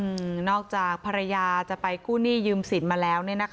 อืมนอกจากภรรยาจะไปกู้หนี้ยืมสินมาแล้วเนี่ยนะคะ